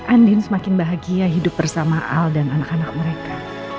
andin semakin bahagia hidup bersama al dan anak anak mereka